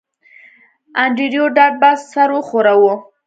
انډریو ډاټ باس سر وښوراوه